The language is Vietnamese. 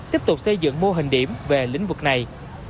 tiếp tục xây dựng mô hình điểm về lĩnh vực này